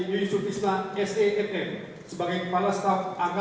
pernah datang ke masjid